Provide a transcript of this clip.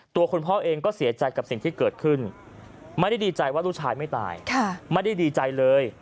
ตัวคุณพ่อเองก็เสียใจกับสิ่งที่เกิดขึ้นไม่ได้ดีใจว่าลูกชายไม่ตายไม่ได้ดีใจเลย